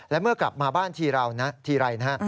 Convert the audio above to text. และเมื่อกลับมาบ้านทีไรนะ